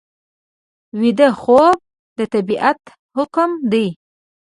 ویده خوب د طبیعت حکم دی